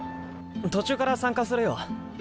途中から参加するよ。